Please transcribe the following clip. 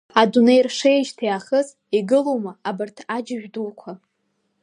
Адунеи ршеижьҭеи аахыс игылоума абарҭ аџьажә дуқәа?